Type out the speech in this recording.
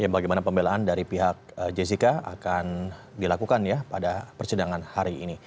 bagaimana pembelaan dari pihak jessica akan dilakukan ya pada persidangan hari ini